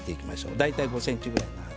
大体５ｃｍぐらいの長さ。